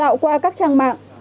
dạo qua các trang mạng